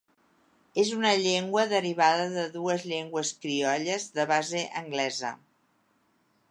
És una llengua derivada de dues llengües criolles de base anglesa.